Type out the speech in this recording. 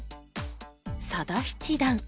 佐田七段